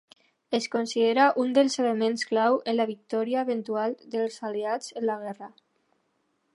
Es considera un dels elements clau en la victòria eventual dels Aliats en la guerra.